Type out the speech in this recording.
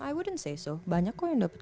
i wouldn't say so banyak kok yang dapat